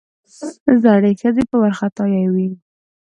زړې ښځې په وارخطايي وې.